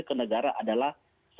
ke negara adalah